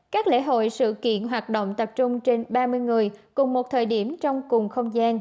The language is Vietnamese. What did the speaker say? các lễ hội sự kiện hoạt động tập trung trên ba mươi người cùng một thời điểm trong cùng không gian